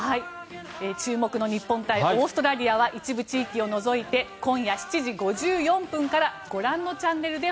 注目の日本対オーストラリアは一部地域を除いて今夜７時５４分からご覧のチャンネルで